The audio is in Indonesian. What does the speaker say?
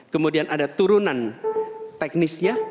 kemudian ada turunan teknisnya